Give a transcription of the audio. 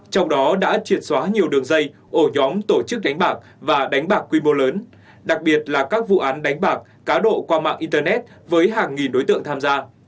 trong đó đã triệt xóa nhiều đường dây ổ nhóm tổ chức đánh bạc và đánh bạc quy mô lớn đặc biệt là các vụ án đánh bạc cá độ qua mạng internet với hàng nghìn đối tượng tham gia